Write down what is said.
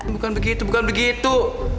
bukan begitu bukan begitu